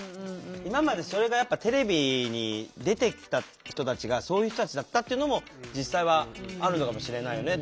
今までそれがテレビに出てきた人たちがそういう人たちだったっていうのも実際はあるのかもしれないよね。